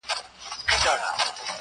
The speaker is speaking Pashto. د اختر دې بڼي اوس یو ډول جبري